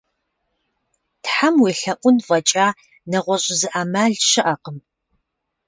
Тхьэм уелъэӀун фӀэкӀа, нэгъуэщӀ зы Ӏэмал щыӏэкъым.